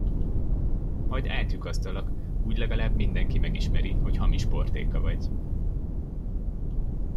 Majd átlyukasztalak, úgy legalább mindenki megismeri, hogy hamis portéka vagy.